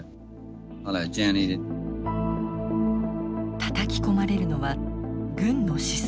たたき込まれるのは軍の思想。